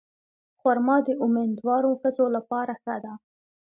خرما د امیندوارو ښځو لپاره ښه ده.